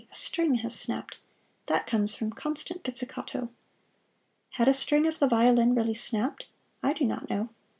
a string has snapped that comes from constant pizzicato." Had a string of the violin really snapped? I do not know.